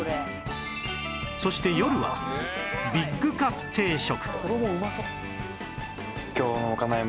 そして夜はビッグカツ定食